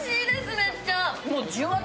めっちゃ！